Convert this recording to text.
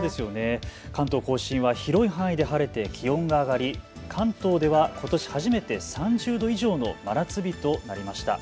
関東甲信は広い範囲で晴れて気温が上がり関東ではことし初めて３０度以上の真夏日となりました。